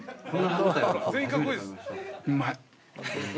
うまい。